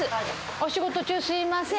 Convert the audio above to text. お仕事中すみません。